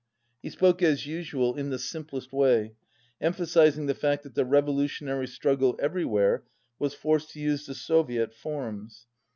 He spoke as usual, in the simplest way, emphasiz ing the fact that the revolutionary struggle every where was forced to use the Soviet forms.